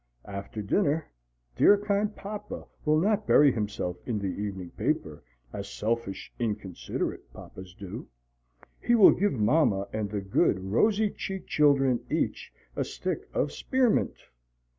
After dinner, dear kind Papa will not bury himself in the evening paper, as selfish, inconsiderate papas do he will give Mama and the good, rosy cheeked children each a stick of Spearmint.